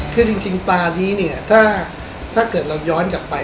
คือจริงตานี้ถ้าเกิดเราย้อนกลับไป